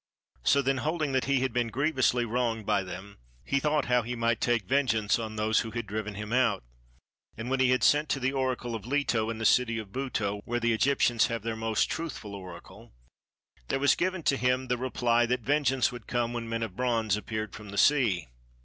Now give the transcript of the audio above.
So then holding that he had been grievously wronged by them, he thought how he might take vengeance on those who had driven him out: and when he had sent to the Oracle of Leto in the city of Buto, where the Egyptians have their most truthful Oracle, there was given to him the reply that vengeance would come when men of bronze appeared from the sea.